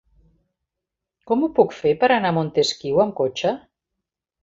Com ho puc fer per anar a Montesquiu amb cotxe?